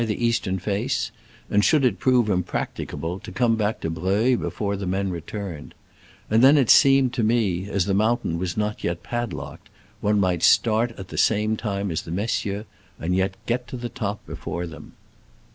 149 the eastern face, and, should it prove im practicable, to come back to Breuil be fore the men returned ; and then it seem ed to me, as the mountain was not pad locked, one might start at the same time as the messieurs, and yet get to the top before them.